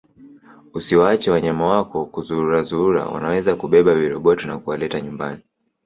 Usiwaache wanyama wako kuzururazurura wanaweza kubeba viroboto na kuwaleta nyumbani